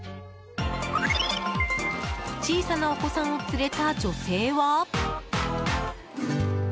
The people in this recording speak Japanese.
小さなお子さんを連れた女性は。